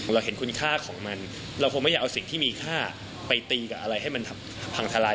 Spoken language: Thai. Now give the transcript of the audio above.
เราเห็นคุณค่าของมันเราคงไม่อยากเอาสิ่งที่มีค่าไปตีกับอะไรให้มันพังทลาย